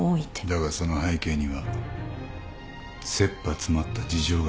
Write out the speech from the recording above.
だがその背景には切羽詰まった事情がある。